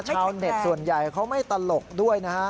ชาวเน็ตส่วนใหญ่เขาไม่ตลกด้วยนะฮะ